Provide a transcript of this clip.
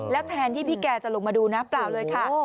แล้วแทนที่พี่แกจะลงมาดูนะเปล่าเลยค่ะ